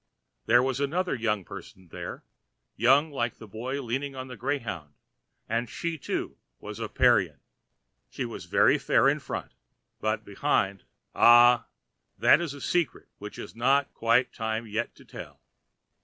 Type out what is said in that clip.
There was another young person there, young like the boy leaning on a greyhound, and she, too, was of Parian: she was very fair in front, but behind—ah, that is a secret which is not quite time yet to tell.